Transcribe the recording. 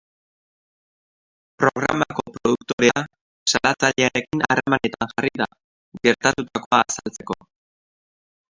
Programako produktorea salatzailearekin harremanetan jarri da, gertatutakoa azaltzeko.